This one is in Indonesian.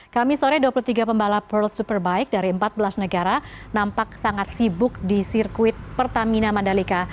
kami sore dua puluh tiga pembalap world superbike dari empat belas negara nampak sangat sibuk di sirkuit pertamina mandalika